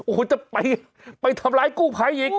โอ้โหจะไปทำร้ายกู้ภัยอีก